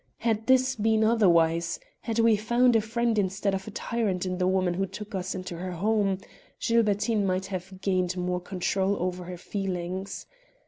Had this been otherwise, had we found a friend instead of a tyrant in the woman who took us into her home, Gilbertine might have gained more control over her feelings.